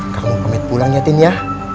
kalau gitu kamu komit pulang ya tin ya